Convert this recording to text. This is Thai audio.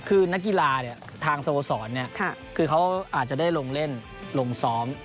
คือนักกีฬาทางสโมสรคือเขาอาจจะได้ลงเล่นลงซ้อม